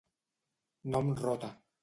No em rota.